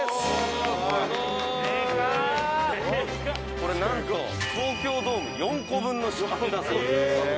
「これなんと東京ドーム４個分の敷地だそうです」